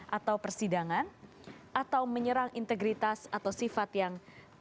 atau persidangan atau menyerang integritas atau sifat yang